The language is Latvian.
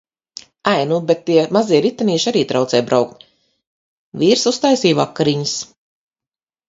Ai, nu bet tie mazie ritenīši arī traucē braukt. Vīrs uztaisīja vakariņas.